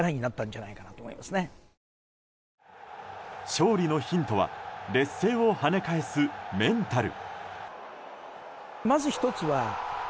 勝利のヒントは劣勢をはね返すメンタル。